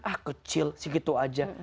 ah kecil segitu aja